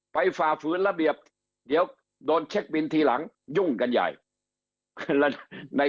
ฝ่าฝืนระเบียบเดี๋ยวโดนเช็คบินทีหลังยุ่งกันใหญ่